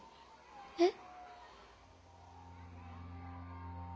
えっ。